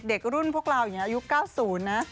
เด็กรุ่นพวกเราอย่างนี้อายุ๙๐นะ